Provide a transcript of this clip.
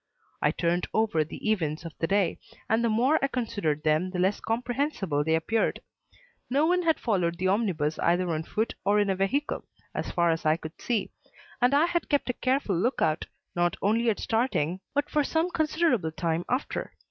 I turned over the events of the day, and the more I considered them the less comprehensible they appeared. No one had followed the omnibus either on foot or in a vehicle, as far as I could see; and I had kept a careful look out, not only at starting but for some considerable time after.